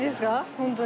ホントに。